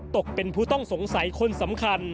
ตกเป็นผู้ต้องสงสัยคนสำคัญ